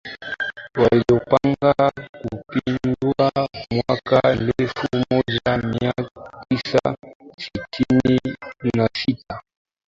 waliopanga kumpindua Mwaka elfu moja mia tisa sitini na sita alipokwenda safari ya kutembelea